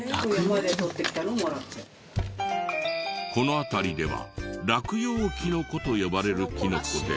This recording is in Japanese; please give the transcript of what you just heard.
この辺りでは落葉キノコと呼ばれるキノコで。